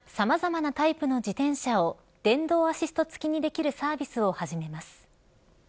ホンダがさまざまなタイプの自転車を電動アシストつきにできるサービスを始めます。